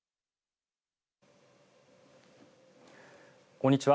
こんにちは。